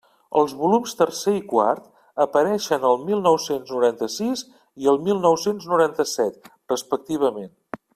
Els volums tercer i quart apareixen el mil nou-cents noranta-sis i el mil nou-cents noranta-set, respectivament.